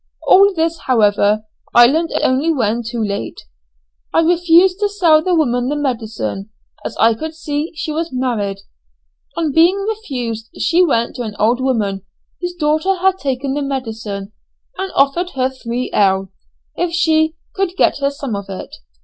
All this, however, I learned only when too late. I refused to sell the woman the medicine, as I could see she was married. On being refused, she went to an old woman whose daughter had taken the medicine, and offered her 3_l._ if she would get her some of it.